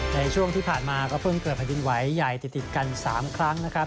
ในช่วงที่ผ่านมาก็เพิ่งเกิดแผ่นดินไหวใหญ่ติดกัน๓ครั้งนะครับ